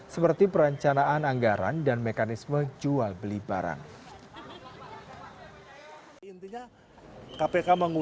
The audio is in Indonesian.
seperti perencanaan anggaran dan mekanisme jual beli barang